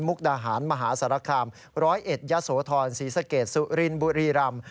มุกตะหารมหาสรคามร้อยเอ็ดยสโธรสีสเกดสุรินบุธรีรัม